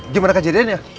gimana kan jadinya